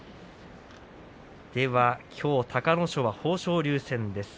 きょう隆の勝は豊昇龍戦です。